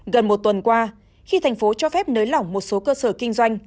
gần một tuần qua khi thành phố cho phép nới lỏng một số cơ sở kinh doanh